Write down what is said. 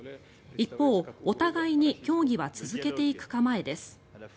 一方、お互いに協議は続けていく構えです。